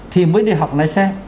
thì mới đi học lái xe